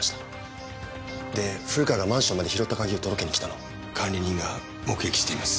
で古川がマンションまで拾った鍵を届けに来たのを管理人が目撃しています。